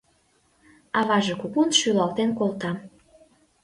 Аваже кугун шӱлалтен колта.